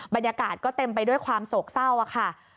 บรรยากาศก็เต็มไปด้วยความโศกเศร้าค่ะ